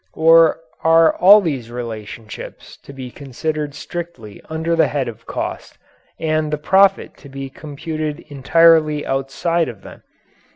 Or are all these relationships to be considered strictly under head of cost, and the profit to be computed entirely outside of them?